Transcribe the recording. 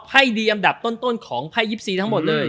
ดีอันดับต้นของไพ่๒๔ทั้งหมดเลย